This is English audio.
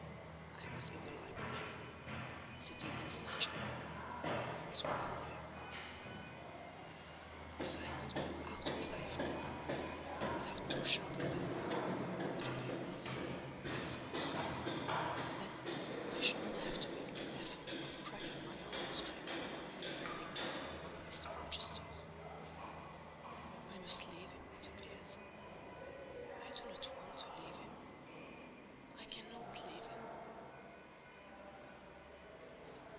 I was in the library—sitting in his chair—he was quite near. "If I could go out of life now, without too sharp a pang, it would be well for me," I thought; "then I should not have to make the effort of cracking my heart strings in rending them from among Mr. Rochester's. I must leave him, it appears. I do not want to leave him—I cannot leave him."